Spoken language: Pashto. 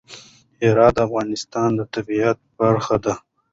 هرات د افغانستان د طبیعت برخه ده.